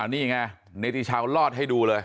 อันนี้ไงในตีเช้ารอดให้ดูเลย